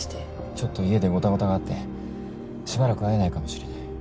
ちょっと家でゴタゴタがあってしばらく会えないかもしれない。